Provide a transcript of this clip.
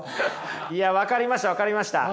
いや分かりました分かりました。